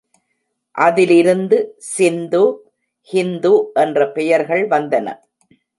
அதிலிருந்து சிந்து, ஹிந்து என்ற பெயர்கள் வந்தன.